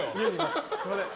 すみません。